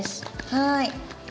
はい。